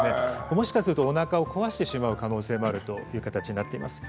もしかすると、おなかを壊してしまう可能性があるという形になります。